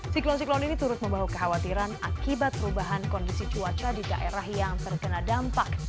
siklon siklon ini turut membawa kekhawatiran akibat perubahan kondisi cuaca di daerah yang terkena dampak